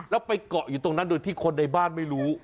แล้วไปเกาะอยู่ตรงนั้นโดยที่คนในบ้านไม่รู้